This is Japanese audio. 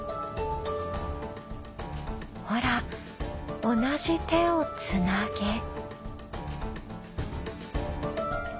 ほら同じ手をつなげ。